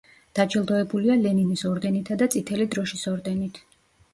დაჯილდოებულია ლენინის ორდენითა და წითელი დროშის ორდენით.